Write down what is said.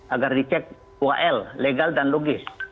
agar dicek dua l legal dan logis